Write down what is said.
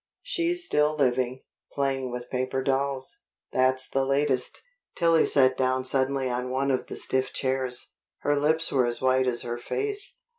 "She's still living. Playing with paper dolls that's the latest." Tillie sat down suddenly on one of the stiff chairs. Her lips were as white as her face.